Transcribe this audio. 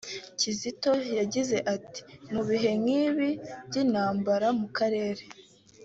Kizito yagize ati “Mu bihe nk’ibi by’intambara mu karere